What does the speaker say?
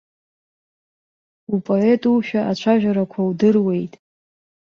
Упоетушәа ацәажәарақәа удыруеит.